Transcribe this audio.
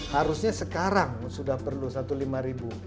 harusnya sekarang sudah perlu satu lima ribu